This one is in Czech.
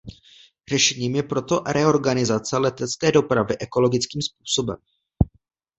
Řešením je proto reorganizace letecké dopravy ekologickým způsobem.